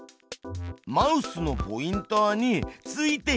マウスのポインターについていってる。